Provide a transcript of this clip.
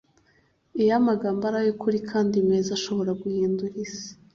iyo amagambo ari ay'ukuri kandi meza, arashobora guhindura isi